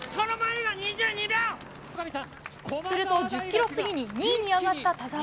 すると、１０ｋｍ過ぎに２位に上がった田澤。